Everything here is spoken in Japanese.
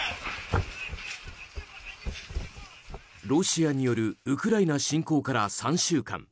ロシアによるウクライナ侵攻から３週間。